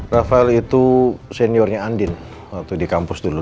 rafael itu seniornya andin waktu di kampus dulu